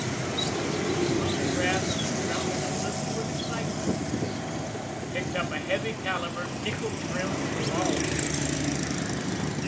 He stooped, and from the grass, trembling a little with excitement, picked up a heavy calibered, nickel trimmed revolver.